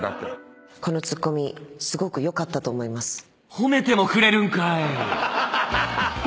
褒めてもくれるんかい！